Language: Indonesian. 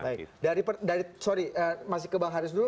baik dari sorry masih ke bang haris dulu